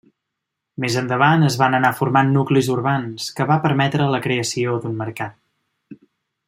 Més endavant, es van anar formant nuclis urbans, que va permetre la creació d'un mercat.